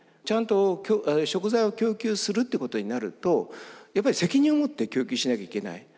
ちゃんと食材を供給するってことになるとやっぱり責任を持って供給しなきゃいけない。